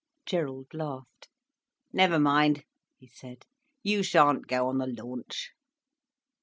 Gerald laughed. "Never mind," he said. "You shan't go on the launch."